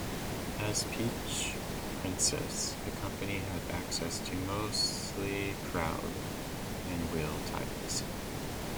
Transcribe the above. As Peach Princess, the company had access to mostly Crowd and Will titles.